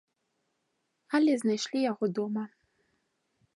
Але знайшлі яго дома.